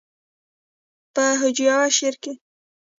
پۀ هجويه شعر کښې